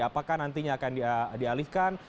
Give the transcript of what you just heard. apakah nantinya akan dialihkan